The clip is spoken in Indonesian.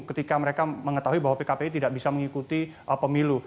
ketika mereka mengetahui bahwa pkpi tidak bisa mengikuti pemilu